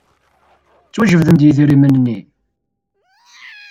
Ttwajebden-d yidrimen-nni.